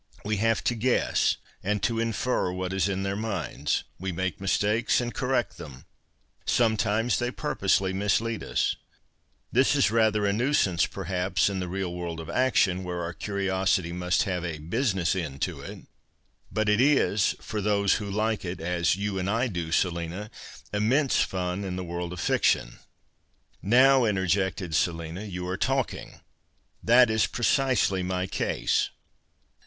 We have to guess and to infer what is in their minds, we make mistakes and correct them ; sometimes they purposely mislead us. This is rather a nuisance, perhaps, in the real world of action, where our r.p. 209 P PASTICHE AND PREJUDICE curiosity must have a ' business end ' to it ; hut it is (for those who like it, as you and I do, SeHna) immense fun in the world of fiction." " Now," interjected Selina, " you are talking ! That is precisely my case."